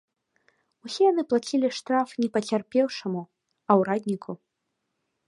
Усе яны плацілі штраф не пацярпеўшаму, а ўрадніку.